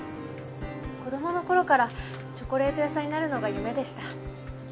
子供の頃からチョコレート屋さんになるのが夢でした。